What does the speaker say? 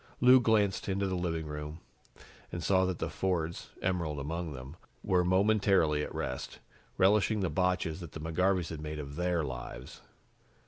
Lou glanced into the living room and saw that the Fords, Emerald among them, were momentarily at rest, relishing the botches that the McGarveys had made of their lives.